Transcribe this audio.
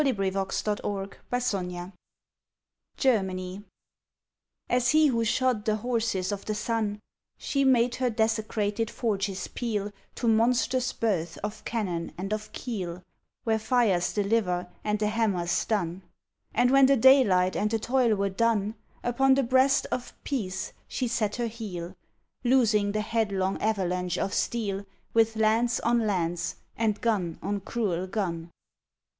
142 ON THE GREAT WAR GERMANY As he who shod the horses of the sun, She made her desecrated forges peal To monstrous births of cannon and of keel, Where fires deliver and the hammers stun; And when the daylight and the toil were done, Upon the breast of Peace she set her heel, Loosing the headlong avalanche of steel, With lance on lance and gun on cruel gun.